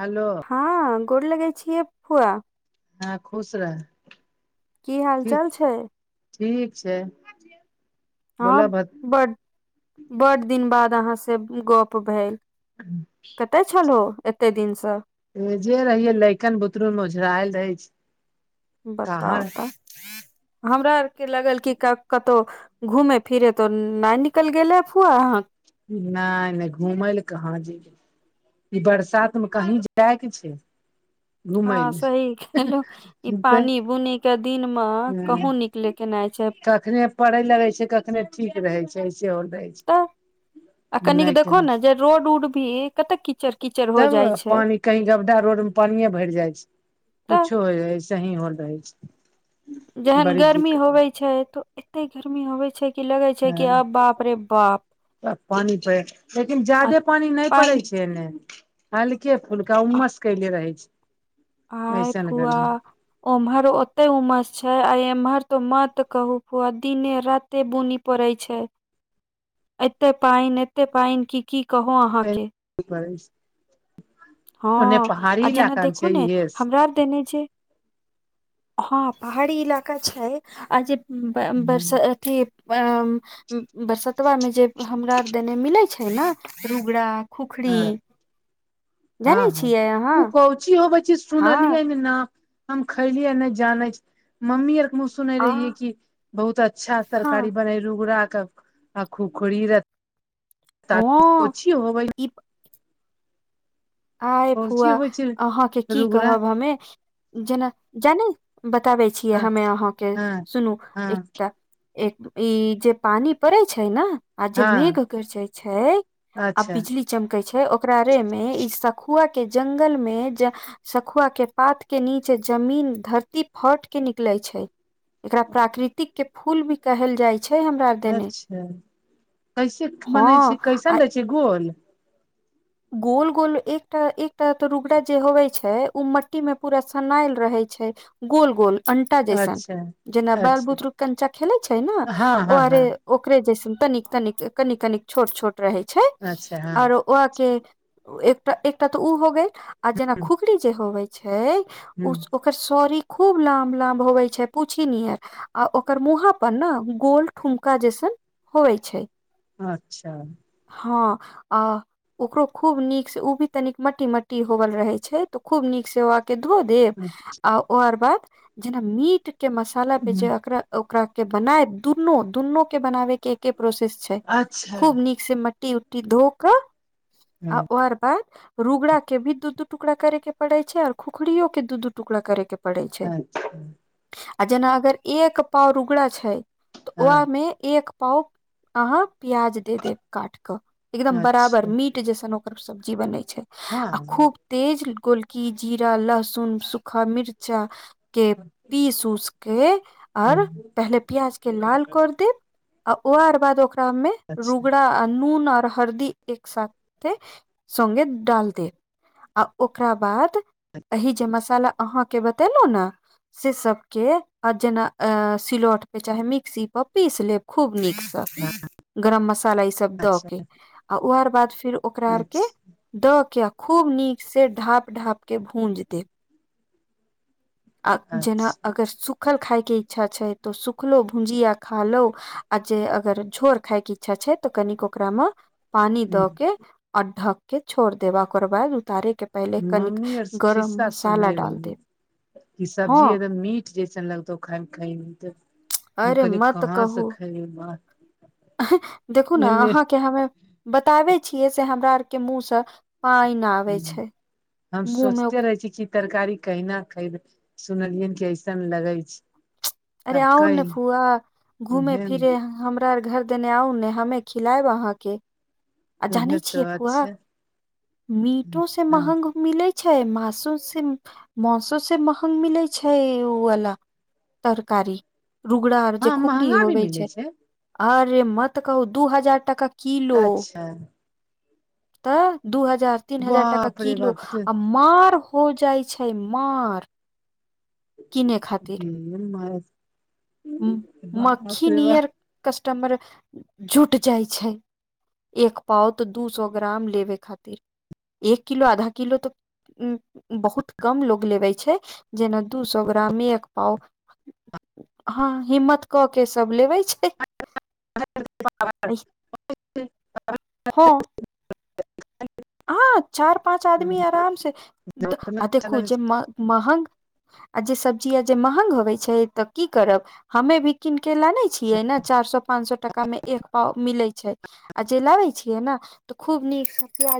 Hello हँ गोर लगै छिय फुआ हँ खुश रह की हाल ठीक चाल छै ठीक छै ओर बोलऽ बड बड दिन बाद अहाँ से गप भेल कतय छलहो एते दिन सँ ऐजे रहिये लैकन बुतरू मे ओझरायल रहै छी बताउ तऽ हमरा आरके लगल कि क तो घूमे फिरे तो न निकल गेलै फुआ अहाँ नय नय घुम लए कहाँ जाइए ई बरसात मे कहीं जाय के छै घुमय हँ लए सही केहलो ई पानी बुनी के दिन मे कहूं तऽ निकले के नै छै कखने पड़े लगे छै कखने ठीक रहे छै ऐसे हो रहे छै तऽ आ कनिक नहि देखहो कह ने जे रोड उड भी कते कीचड़ कीचड़ हो जाइ छैय पानीए भैर जाइ छै कुछो हो जाय ऐ सही होल रहै छै जहन बड़ी गर्मी दिक्कत होबे छै तो एते गर्मी होबे छै कि लगै छै कि अब बाप रे बाप ह पानी पड़ लेकिन आ जादे पानी नय पड़ै पानि छै से नय हलके फुलका आह उ्मस कयले रहै छै आय ऐसन फुआ गर्मी उम्हर ओते उमस छै आ एम्हर तो मत कहू फुआ दिने राते बुनी पड़े छैय एते पाइन एते पाइन कि की कहू अहाँके [inaudible] ओन्ने हँ पहाड़ी आ जेना इलाका देखू छै ने इहे से। हमरा आर देने जे हँ पहाड़ी इलाका छै आज हँ बरस [unintelligible] बरसतबा मे जे हमरा आर देने मिलै छै ने रुगरा खुखरी हँ हँ उ अहाँ कउची होबे छै हँ सुनलियै ने न हम खैलियै नय जानै छी मम्मी आर हमु सुने आ रहियै की बहुत अच्छा तरकारी हँ बने रूगरा क आ खुखरी हऽ कौची होबै ई आय कौची फुआ होइ छै अहाँके की रुगरा कहब हमे जेना जाने बताबै छियै हँ हमे अहाँके हँ सुनू हँ एकटा एक ई जे पानी पड़ै छै नऽ आ जे हँ मेघ गरजे छै आ अच्छा बिजली चमकै छै ओकरा रे में इ सखुआ के जंगल में ज सखुआ के पात के नीचे जमीन धरती फट के निकले छै एकरा प्राकृतिक के फूल भी कहल जाय छै हमरा देने अच्छा कैसे हँ बनै छै आ कैसन रहै छ गोल गोल गोल एकटा एकटा तऽ रुगड़ा जे होवै छै ओ मट्टी मे पूरा सनायल रहै छै गोल गोल अंटा जैसन अच्छा जेना बाल अच्छा बुतरुक कंचा खेलै छै ने हँ ओ हँ हँ आरे ओकरे जसन तनिक तनिक कनिक कनिक छोट छोट रहे छै अच्छा हँ और ओ के एक एकटा तऽ ओ हो गेल आ जेना खुखरी जे होवे छै ह ओकर सॉरी खूब लाम लाम होवे छै पूछि निहर आ ओकर मुँह पर ने गोल ठुमका जैसन होवइ छै अच्छा हँ आ ओकरो खूब नीक से ओ भी तन मट्टी मट्टी होवल रहे छै तऽ खूब नीक से के धो देब आ ओकर बाद जेना मीट के मसाला पे जे एकरा ओकरा के बनाय दुनू दुनू के बनावे के एके प्रोसेस छै अच्छा खूब नीक से मट्टी उट्टी धो कऽ आ हँ ओर बाद रुगड़ा के भी दू दू टुकड़ा करे के पड़े छै और खुखड़ियो केू दु दू टुकडा कर के पड़ै छै अच्छा आ जेना अगर एक पाव रुगड़ा छै तऽ हँ ओहमे एक पाउच अहाँ प्याज दे देब काट कऽ एकदम बराबर अच्छा मीट जैसन ओकर सब्जी बनै छै हँ आ खूब तेज गोलकी जीरा लहसुन सूखा मिर्चा के पीसू उस के और ह पहले प्याज लाल कर दे ओआर बाद ओकरा मे रु अच्छा नून ओर हरदी एक साथे सगे डाल दे आ ओकरा बाद अहि जे मसाला अहाँके बतेलहु न से सब के आ जेना अ सिलौट पे चाहे मिक्सी पर पीस लेब खूब नीक सँ हँ गरम मसाला ई सब द अच्छा के आ ओ बाद फिर ओकरा आर के अच्छा द के आ खूब नीक से ढाप ढाप के भूज देब आ जेना अच्छा अगर सुूखल खायके इच्छा छै तऽ सुखलो भुजिया खा लो आज अगर जोर खाय के इच्छा छै तऽ कनिक ओकरा मे पानी द के और ढक के छोड़ देबा ओकर बाद उतारे के पहिले कनिक गरम मसाला डाल देब की हँ सब्जी एकदम मीठ जैसन लगतौ ख खइमे त मु अरे कहले मत कहाँ से कहू खाय बात देखू ने अहाँके हमे बताबे छियै से हमरा आर के मुँह से पाइन हु हम सोचते रहै छी कि तरकारी कहिना खइबे सुनलियन कि ऐसन लगै छै अरे आब आउ कहि न फूआ घूमे उहे फिरे यहाँ हमरा आर घर देने आउ ने हमे खिलायएब अहाँके आ जानै उहे छियै तऽ फुआ अच्छा मीटो से महंग मिलै छै मासू से मासो से महग मिलैत छै ओ वाला तरकारी रुगड़ा जे हँ खुखरी महंगा भी होबै मिलै छै अरे मतऽ कहू दू हजार टाका किलो अच्छा तऽ दू हजार तीन हजार टाका बाप रे किलो बाप आ मार हो जाइ छै मार किने खातिर [unintelligible] बाप मक्खी रे बाप नियर कस्टमर जुट जाइ छै एक पाव दू सौ ग्राम लेबे खातिर एक किलो आधा किलो त उ बहुत कम लोग लेबे छै जेना दू सौ ग्राम एक पाव हँ हिम्मत क के सब लेबे छै हँ [unintelligible] हँ चार पाँच आदमी आराम से उतना आ अच्छा देखू लगै जे महग आ जे सब्जी आ जे महंग होबे छै तऽ की करब हमे भी कीन के लाने छियै ने चार सौ पांच सौ टका मे एक पाव मिलै छै आ जे लाबे छियै ने त खूब नीक से प्याज